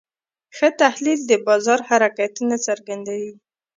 ښه تحلیل د بازار حرکتونه څرګندوي.